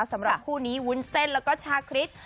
สำหรับคู่นี้วุ้นเส้นแล้วก็ชาคริส